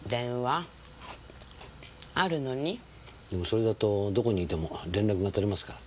それだとどこにいても連絡が取れますから。